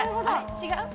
違う？